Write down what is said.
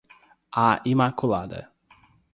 A imaculada